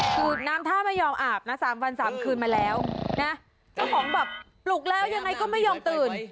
คือน้ำถ้ามันยอมอาบ๓วัน๓คืนมาแล้วก็ปลุกแล้วยังไงก็ไม่ตื่น